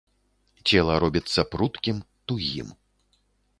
Цела робіцца пруткім, тугім.